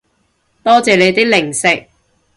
多謝你啲零食